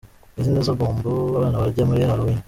Izi nizo bombo abana barya muri Halloween.